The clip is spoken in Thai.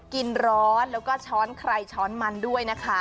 กินร้อนแล้วก็ช้อนใครช้อนมันด้วยนะคะ